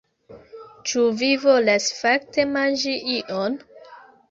Ĉu vi volas fakte manĝi ion?